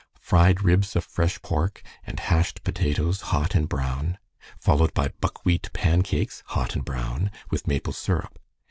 Fried ribs of fresh pork, and hashed potatoes, hot and brown, followed by buckwheat pancakes, hot and brown, with maple syrup.